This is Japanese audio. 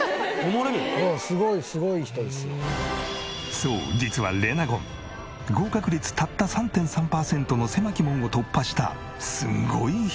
そう実はレナゴン合格率たった３．３パーセントの狭き門を突破したすごい人！